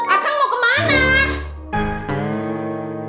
akang mau kemana